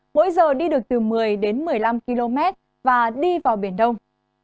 mỗi giờ đi được từ một mươi đến một mươi năm km và đi vào biển đông